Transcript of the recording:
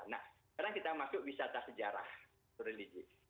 nah sekarang kita masuk wisata sejarah religi